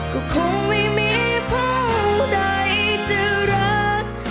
ก็คงไม่มีเพราะใดจะรัก